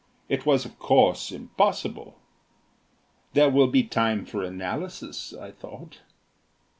It was of course impossible. "There will be time for analysis," I thought.